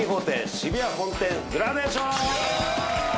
渋谷本店グラデーション！